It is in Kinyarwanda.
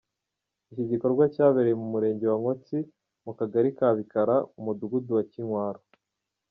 Iki gikorwa cyabereye mu murenge Nkotsi mu kagali ka Bikara, umudugudu wa Kinkwaro.